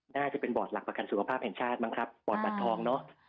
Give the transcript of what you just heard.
น่าจะเป็นบ่อดหลักประคัตสุขภาพแผ่นชาติมั้ยครับบ่อดบัตรทองเนอะ